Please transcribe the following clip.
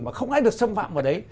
mà không ai được xâm phạm vào đấy